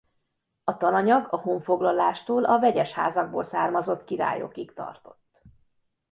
A tananyag a honfoglalástól a vegyes házakból származott királyokig tartott.